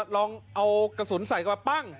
ลองเอากระสุนใส่ก็ปั้ง